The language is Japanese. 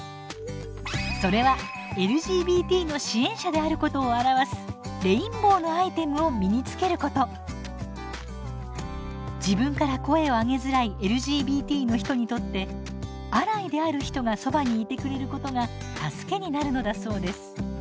それはＬＧＢＴの支援者であることを表す自分から声をあげづらいＬＧＢＴの人にとってアライである人がそばにいてくれることが助けになるのだそうです。